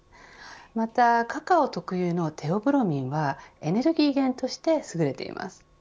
またカカオ特有のテオブロミンはエネルギー源としてすぐれています。